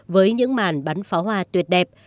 với những màn bắn pháo hoa tuyệt đẹp